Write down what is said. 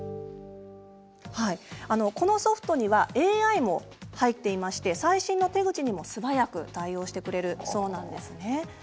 このソフトにはＡＩも入っていまして最新の手口も素早く対応してくれるそうなんですね。